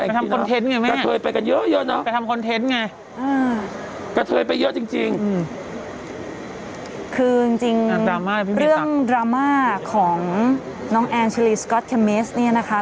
ไปทำคอนเทนต์ไงแม่เนี่ยไปทำคอนเทนต์ไงเออคือจริงเรื่องดราม่าของน้องแอนชิลลีสก๊อตเคมิสเนี่ยนะคะ